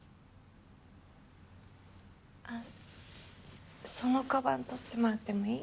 あっそのかばん取ってもらってもいい？